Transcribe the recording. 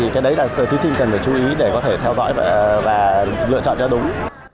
cái đấy là sự thí sinh cần phải chú ý để có thể theo dõi và lựa chọn cho đúng